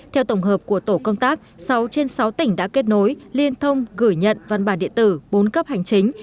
theo tổng hợp của tổ công tác sáu trên sáu tỉnh đã kết nối liên thông gửi nhận văn bản điện tử bốn cấp hành chính